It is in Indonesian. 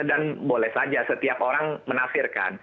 dan boleh saja setiap orang menafirkan